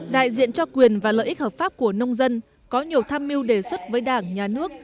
đại diện cho quyền và lợi ích hợp pháp của nông dân có nhiều tham mưu đề xuất với đảng nhà nước